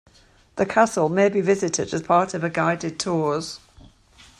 The castle may be visited as part of a guided tours.